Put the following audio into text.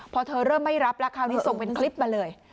พอเธอเริ่มไม่รับแล้วคราวนี้ส่งเป็นคลิปมาเลย